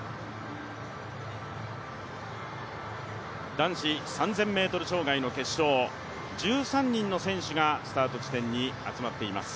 男子３０００ｍ障害の決勝、１３人の選手がスタート地点に集まっています。